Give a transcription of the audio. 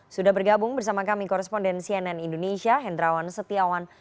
sudah bergabung bersama kami koresponden cnn indonesia hendrawan setiawan